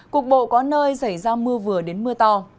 cục bộ có nơi xảy ra mưa vừa đến mưa to